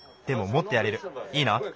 でももっとやれる。いいな？